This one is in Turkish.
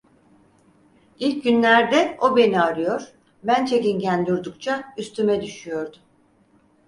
İlk günlerde o beni arıyor, ben çekingen durdukça üstüme düşüyordu.